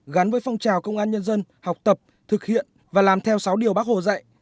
gắn với phong trào công an nhân dân học tập thực hiện và làm theo sáu điều bác hồ dạy